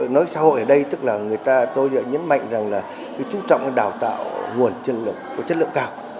nói xã hội ở đây tôi nhấn mạnh rằng trung trọng đào tạo nguồn chất lượng cao